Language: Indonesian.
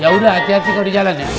ya udah hati hati kalo di jalan ya